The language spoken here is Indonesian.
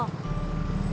mas pur mau